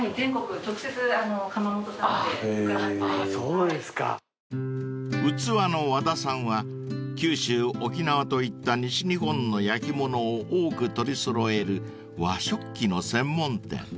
［うつわのわ田さんは九州沖縄といった西日本の焼き物を多く取り揃える和食器の専門店］